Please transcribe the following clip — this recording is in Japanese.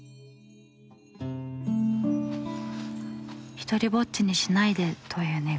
独りぼっちにしないでという願い。